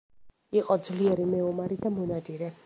იყო ძლიერი მეომარი და მონადირე.